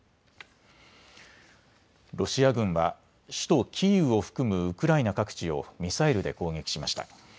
ロシア軍は首都キーウを含むウクライナ各地をミサイルで攻撃しました。